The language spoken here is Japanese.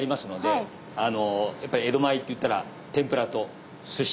やっぱり江戸前といったら天ぷらとすし。